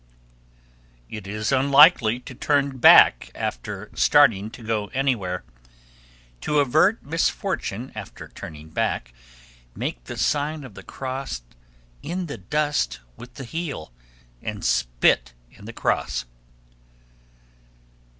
1272. It is unlucky to turn back after starting to go anywhere. To avert misfortune after turning back, make the sign of the cross in the dust with the heel, and spit in the cross.